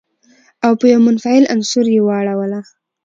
او په يوه منفعل عنصر يې واړوله.